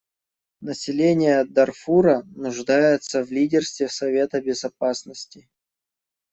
Население Дарфура нуждается в лидерстве Совета Безопасности.